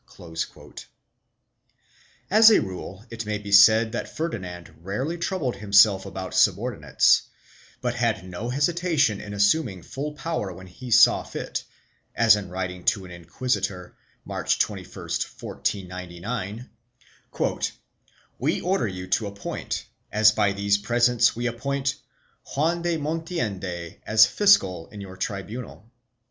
As a rule, it may be said that Ferdinand rarely troubled himself about subordinates, but had no hesitation in assuming full power when he saw fit, as i writing to an inquisitor, March 21, 1499, "we order you to appoint, as by these presents we appoint, Juan de Montiende as fiscal in your tribunal.